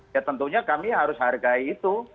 ya tentunya kami harus hargai itu